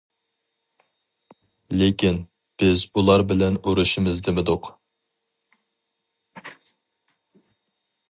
لېكىن، بىز ئۇلار بىلەن ئۇرۇشىمىز دېمىدۇق.